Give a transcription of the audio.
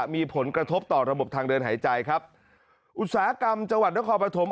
มีผลกระทบต่อระบบทางเดินหายใจครับอุตสาหกรรมจังหวัดนครปฐม